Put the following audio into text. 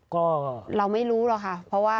ก็เราไม่รู้หรอกค่ะเพราะว่า